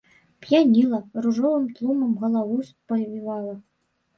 П'яніла, ружовым тлумам галаву спавівала.